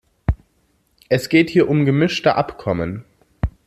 Es geht hier um gemischte Abkommen.